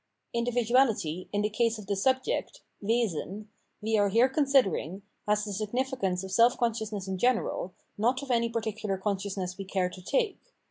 Individuality, in the case of the subject (Wesen) we are here considering, has the significance of self con sciousness in general, not of any particular consciousness we care to take.